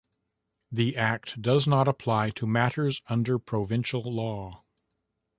The Act does not apply to matters under provincial law.